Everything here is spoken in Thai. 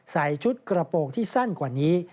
ใส่ชุดกระโปรงที่สั้นกว่านี้